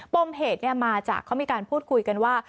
ปมเหตุมาจากเขามีการพูดคุยกันว่า